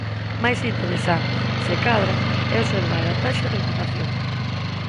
Máis interesante, se cadra, é observar a taxa de ocupación.